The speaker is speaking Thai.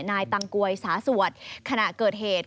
ตังกวยสาสวดขณะเกิดเหตุ